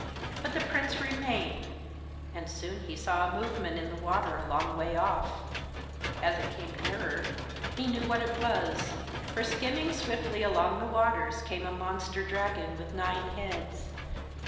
But the prince remained, and soon he saw a movement in the water a long way off. As it came nearer, he knew what it was, for skimming swiftly along the waters came a monster dragon with nine heads.